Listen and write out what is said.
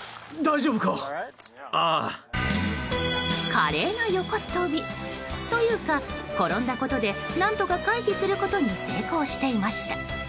華麗な横っ飛びというか転んだことによって何とか回避することに成功していました。